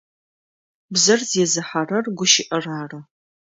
Бзэр зезыхьэрэр гущыӏэр ары.